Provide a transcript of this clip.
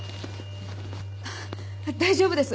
大丈夫です。